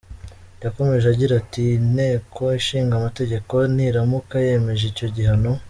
Yakomeje agira ati “Inteko Ishinga Amategeko niramuka yemeje icyo gihano.